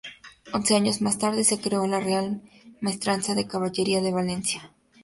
Once años más tarde se creó la Real Maestranza de Caballería de Valencia.